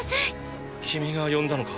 君が呼んだのか？